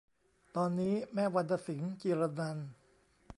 ตอนนี้ แม่วรรณสิงห์ จิรนันท์